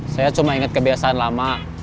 saya cuma ingat kebiasaan lama